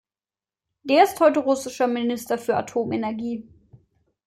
Der ist heute russischer Minister für Atomenergie.